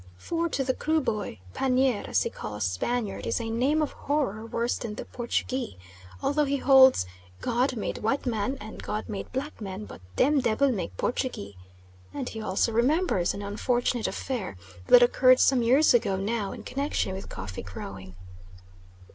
For to the Kruboy, "Panier," as he calls "Spaniard," is a name of horror worse even than Portugee, although he holds "God made white man and God made black man, but dem debil make Portugee," and he also remembers an unfortunate affair that occurred some years ago now, in connection with coffee growing.